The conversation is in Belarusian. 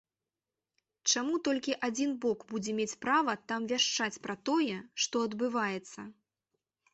Чаму толькі адзін бок будзе мець права там вяшчаць пра тое, што адбываецца.